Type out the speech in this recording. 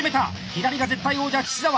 左が絶対王者岸澤。